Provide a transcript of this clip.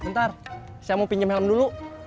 bentar saya mau pinjam helm dulu